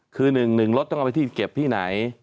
คือหนึ่งหนึ่งรถต้องเอาไปที่เก็บที่ไหน